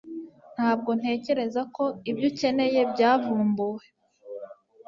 Ntabwo ntekereza ko ibyo ukeneye byavumbuwe